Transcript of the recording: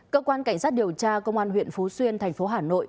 cơ quan cảnh sát điều tra công an huyện phú xuyên thành phố hà nội